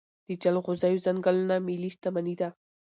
د جلغوزیو ځنګلونه ملي شتمني ده.